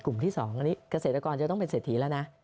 ที่๒อันนี้เกษตรกรจะต้องเป็นเศรษฐีแล้วนะ